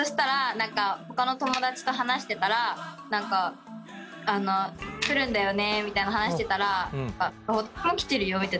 何かほかの友だちと話してたら何か「来るんだよね」みたいな話してたら「私も来てるよ」みたいな。